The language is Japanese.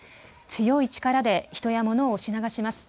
強い力で人や物を押し流します。